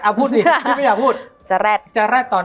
มันทำให้ชีวิตผู้มันไปไม่รอด